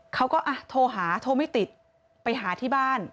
เขาก็โทรหาโทรไม่ติดไปหาที่บ้าน